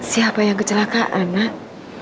siapa yang kecelakaan nak